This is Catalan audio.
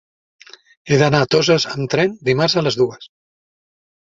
He d'anar a Toses amb tren dimarts a les dues.